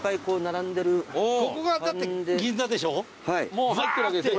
もう入ってるわけですね